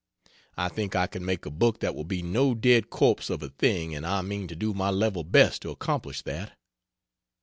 I think I can make a book that will be no dead corpse of a thing and I mean to do my level best to accomplish that.